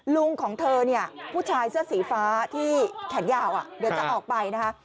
ลุงของเธอเนี่ยผู้ชายเสื้อสีฟ้าที่แขนยาวเดี๋ยวจะออกไปนะคะ